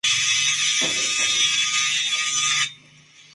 Cuenta con instalaciones versátiles, iluminación, vigilancia y estacionamiento.